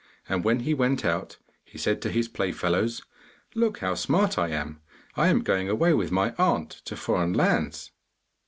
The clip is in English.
And when he went out, he said to his play fellows, 'Look how smart I am; I am going away with my aunt to foreign lands.